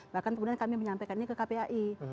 bahkan kemudian kami menyampaikan ini ke kpai